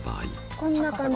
こんな感じ？